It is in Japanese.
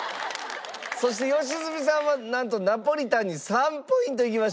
そして良純さんはなんとナポリタンに３ポイントいきました。